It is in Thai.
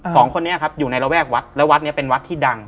สองคนนี้ครับอยู่ในระแวกวัดแล้ววัดนี้เป็นวัดที่ดัง